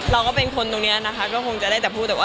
เราก็เป็นคนตรงนี้นะคะก็คงจะได้แต่พูดแต่ว่า